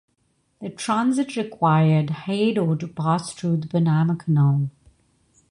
The transit required "Haddo" to pass through the Panama Canal.